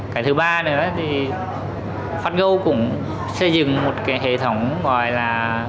cái thứ ba nữa thì fastgo cũng xây dựng một cái hệ thống gọi là